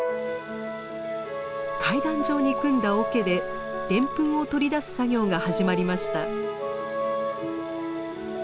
階段状に組んだ桶でデンプンを取り出す作業が始まりました。